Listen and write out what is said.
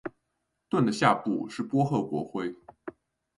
盾的下部是波赫国徽。